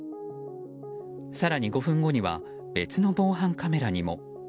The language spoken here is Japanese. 更に５分後には別の防犯カメラにも。